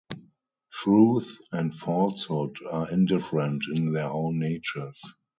Truth and falsehood are indifferent in their own natures.